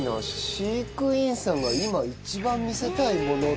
飼育員さんが今一番見せたいものって。